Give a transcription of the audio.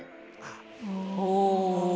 お。